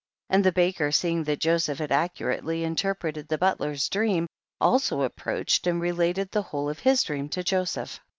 1 2. And the baker, seeing that Jo seph had accurately interpreted the butler's dream, also approached, and related the whole of his dream to Joseph.